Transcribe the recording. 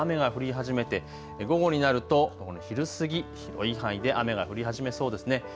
初めて午後になると昼過ぎ、広い範囲で雨が降り始めそうですね。